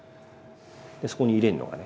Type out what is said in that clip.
そこに入れんのがね